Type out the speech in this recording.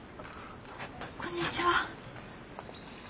こんにちは。